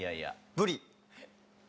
ブリ。